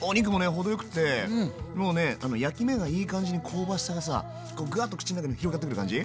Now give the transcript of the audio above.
程よくってもうね焼き目がいい感じに香ばしさがさグワーッと口の中に広がってくる感じ。